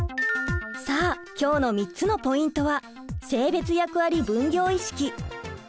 さあ今日の３つのポイントは。